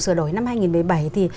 sửa đổi năm hai nghìn một mươi bảy thì